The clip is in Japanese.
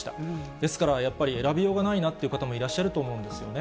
ですからやっぱり、選びようがないなという方もいらっしゃると思うんですよね。